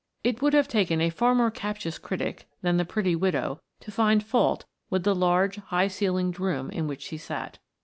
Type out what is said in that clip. It would have taken a far more captious critic than the pretty widow to find fault with the large, high ceilinged room in which she sat.